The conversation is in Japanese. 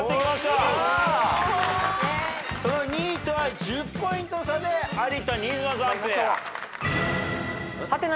その２位とは１０ポイント差で有田新妻さんペア。